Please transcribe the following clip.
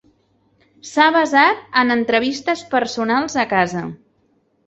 S'ha basat en entrevistes personals a casa.